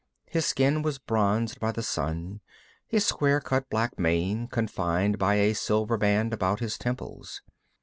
His skin was bronzed by the sun, his square cut black mane confined by a silver band about his temples.